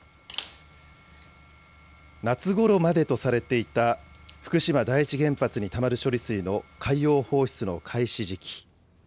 夏ごろまでとされていた福島第一原発にたまる処理水の海洋放出の開始時期。